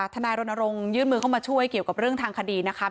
ทนายรณรงค์ยื่นมือเข้ามาช่วยเกี่ยวกับเรื่องทางคดีนะคะ